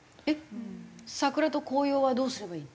桜と紅葉はどうすればいいの？